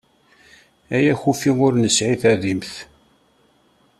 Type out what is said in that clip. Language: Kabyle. Ay akufi ur nesɛi tadimt!